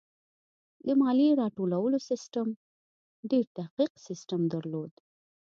د مالیې راټولولو سیستم ډېر دقیق سیستم درلود.